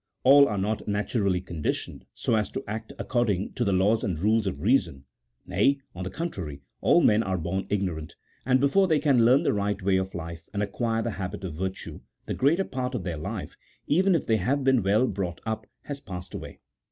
All are not naturally conditioned so as to act according to the laws and rules of reason ; nay, on the contrary, all men are born ignorant, and before they can learn the right way of life and acquire the habit of virtue, the greater part of their life, even if they have been well brought up, has passed away.